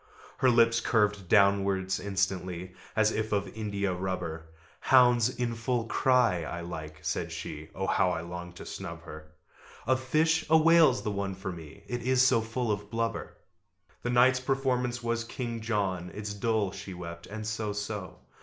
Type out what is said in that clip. Her lips curved downwards instantly, As if of india rubber. "Hounds in full cry I like," said she: (Oh how I longed to snub her!) "Of fish, a whale's the one for me, It is so full of blubber!" The night's performance was "King John." "It's dull," she wept, "and so so!"